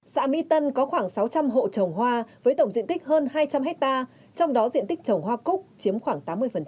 xã mỹ tân có khoảng sáu trăm linh hộ trồng hoa với tổng diện tích hơn hai trăm linh hectare trong đó diện tích trồng hoa cúc chiếm khoảng tám mươi